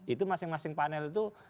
itu masing masing panel itu